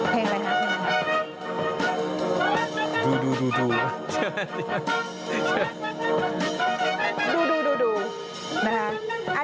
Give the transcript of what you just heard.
เพลงแล้วคะ